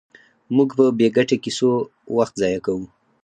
موږ په بې ګټې کیسو وخت ضایع کوو.